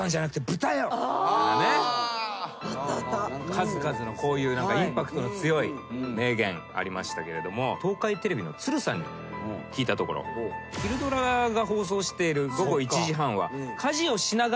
数々のインパクトの強い名言ありましたけれども東海テレビの鶴さんに聞いたところ昼ドラが放送している。